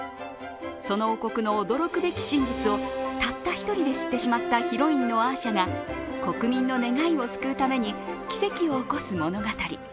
その王国の驚くべき真実をたった一人で知ってしまったヒロインのアーシャが国民の願いを救うために奇跡を起こす物語。